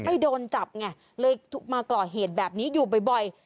ไม่โดนจับไงเลยมาก่อเหตุแบบนี้อยู่บ่อย